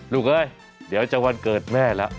ลูกเอ๊ยเดี๋ยวจะวันเกิดแม่ละ